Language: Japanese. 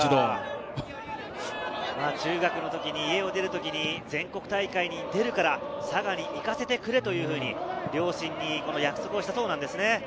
中学生、家を出るときに、全国大会に出るから、佐賀に行かせてくれと両親に約束をしたそうです。